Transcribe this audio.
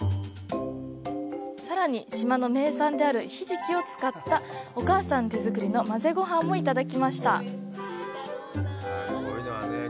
さらに、島の名産であるひじきを使ったお母さん手作りの混ぜご飯もいただきました。